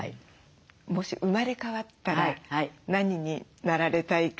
もし生まれ変わったら何になられたいか？